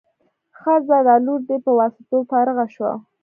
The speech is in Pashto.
ښه ځه دا لور دې په واسطو فارغه شو.